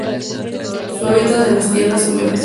Su hábitat es en las tierras húmedas.